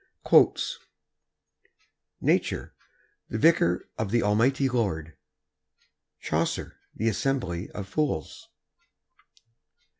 Nature, the Vicar of the Almightie Lord. Chaucer, "The Assembly of Foules."